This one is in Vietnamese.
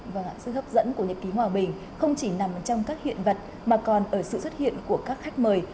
và sự hấp dẫn của nhật ký hòa bình không chỉ nằm trong các hiện vật mà còn ở sự xuất hiện của các khách mời